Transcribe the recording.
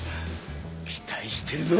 期待してるぞ！